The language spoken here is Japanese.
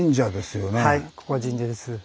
はいここは神社です。